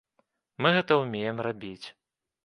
Мы гэта ўмеем рабіць.